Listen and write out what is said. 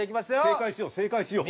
正解しよう正解しよう。